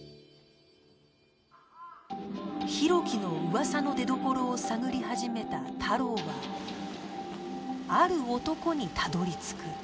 浩喜の噂の出どころを探り始めた太郎はある男にたどり着く